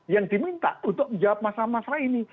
yang diminta untuk menjawab masalah masalah ini